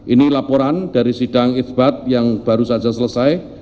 ini laporan dari sidang isbat yang baru saja selesai